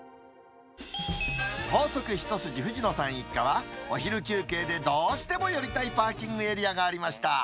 高速一筋藤野さん一家は、お昼休憩でどうしても寄りたいパーキングエリアがありました。